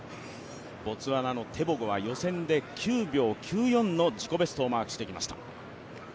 ボツワナのテボゴは予選で９秒９４の自己ベストを記録してきました。